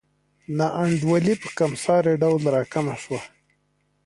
نا انډولي په کمسارې ډول راکمه شوه.